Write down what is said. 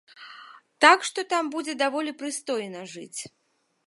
Так што там будзе даволі прыстойна жыць.